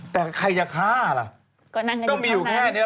แต่ใครจะฆ่าล่ะก็มีอยู่แค่นี้